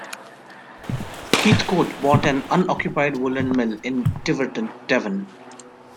Heathcoat bought an unoccupied woollen mill in Tiverton, Devon.